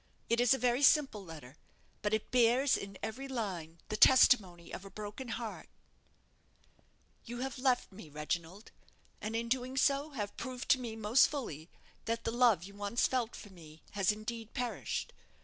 It is a very simple letter; but it bears in every line the testimony of a broken heart: "'_You have left me, Reginald, and in so doing have proved to me most fully that the love you once felt for me has indeed perished.